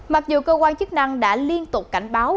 mặc dù cơ quan chức năng đã liên tục cảnh báo